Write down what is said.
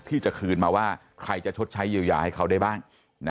ที่จะคืนมาว่าใครจะชดใช้เยียวยาให้เขาได้บ้าง